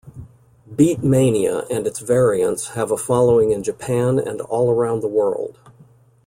"Beatmania" and its variants have a following in Japan and all around the world.